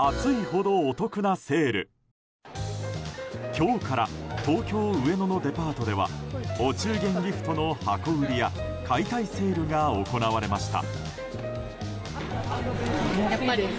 今日から東京・上野のデパートではお中元ギフトの箱売りや解体セールが行われました。